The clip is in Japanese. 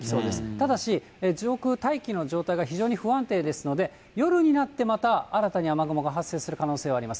ただし上空、大気の状態が非常に不安定ですので、夜になって、また新たに雨雲が発生する可能性はあります。